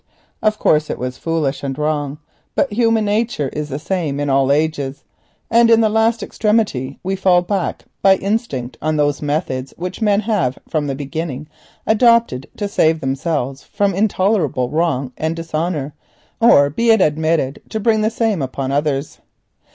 Of course, it was foolish and wrong, but human nature is the same in all ages, and in the last extremity we fall back by instinct on those methods which men have from the beginning adopted to save themselves from intolerable wrong and dishonour, or, be it admitted, to bring the same upon others.